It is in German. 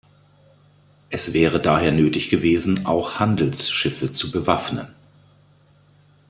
Es wäre daher nötig gewesen, auch Handelsschiffe zu bewaffnen.